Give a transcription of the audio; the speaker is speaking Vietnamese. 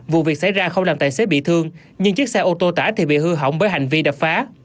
vụ việc xảy ra không làm tài xế bị thương nhưng chiếc xe ô tô tải thì bị hư hỏng bởi hành vi đập phá